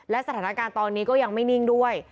และสถานการณ์ตอนนี้ก็ยังไม่นิ่งด้วย